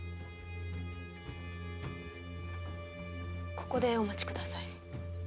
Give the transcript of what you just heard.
ここでお待ち下さい。